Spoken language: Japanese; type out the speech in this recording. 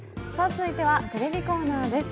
続いてはテレビコーナーです。